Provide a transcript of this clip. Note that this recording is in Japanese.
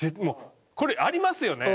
これありますよね？